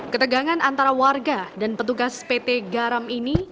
ketegangan antara warga dan petugas pt garam ini